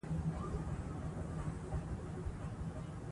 چي پخپله په مشکل کي ګرفتار وي